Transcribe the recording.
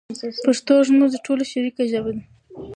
پښتو زموږ د ټولو شریکه ژبه ده.